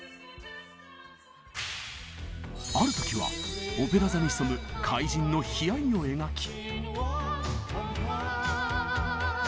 ある時はオペラ座に潜む怪人の悲哀を描き。